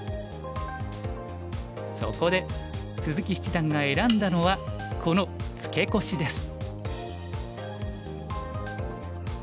そこで鈴木七段が選んだのはこのツケコシです。